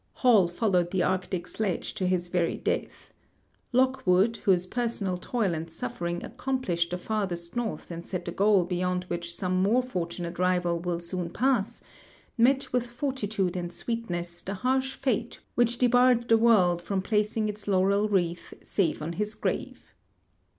Hall followed the Arctic sledge to his veiy death. Lockwood, whose personal toil and suffering accomplished the farthest north and set the goal beyond which some more fortunate rival will soon pass, met with fortitude and sweetness the harsh fate which debarred the world from placing its laurel wreath save on his grave.